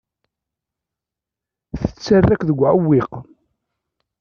Tettarra-k deg uɛewwiq.